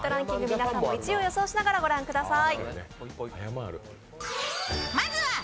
皆さんも１位を予想しながらご覧ください。